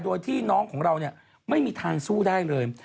โดยที่น้องของเราไม่มีทางสู้ได้เลย